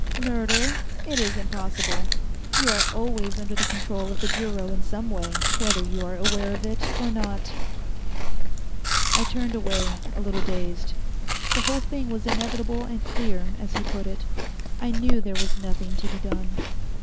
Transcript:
"Murder? It is impossible. You are always under the control of the Bureau in some way, whether you are aware of it or not." I turned away, a little dazed. The whole thing was inevitable and clear as he put it. I knew there was nothing to be done.